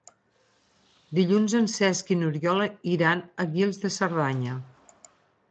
Dilluns en Cesc i n'Oriol iran a Guils de Cerdanya.